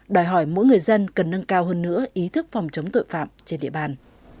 đòi hỏi mỗi người dân cần nâng cao hơn nữa ý thức phòng chống tội phạm trên địa bàn